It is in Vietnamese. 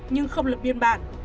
nhưng không lập biên bản